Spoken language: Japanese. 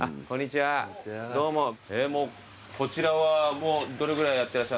こちらはどれぐらいやってらっしゃるんですか？